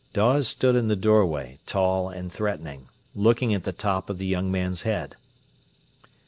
Dawes stood in the doorway, tall and threatening, looking at the top of the young man's head.